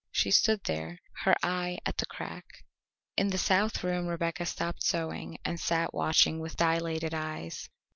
She stood there, her eye at the crack. In the south room Rebecca stopped sewing and sat watching with dilated eyes.